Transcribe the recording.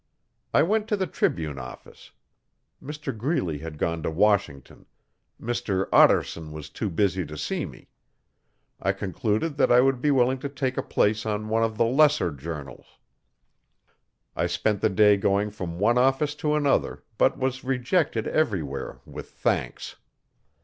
I went to the Tribune office. Mr Greeley had gone to Washington; Mr Ottarson was too busy to see me. I concluded that I would be willing to take a place on one of the lesser journals. I spent the day going from one office to another, but was rejected everywhere with thanks.